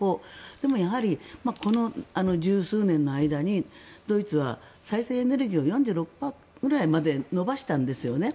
でも、やはりこの１０数年の間にドイツは再生エネルギーを４６％くらいまで伸ばしたんですよね。